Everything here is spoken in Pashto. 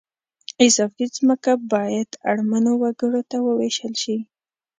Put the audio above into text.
اضافي ځمکه باید اړمنو وګړو ته ووېشل شي